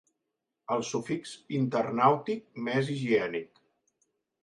El sufix internàutic més higiènic.